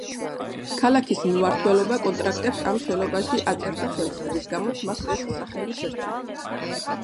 ქალაქის მმართველობა კონტრაქტებს ამ შენობაში აწერდა ხელს, რის გამოც მას ეს სახელი შერჩა.